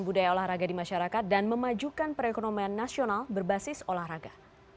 budaya olahraga di masyarakat dan memajukan perekonomian nasional berbasis olahraga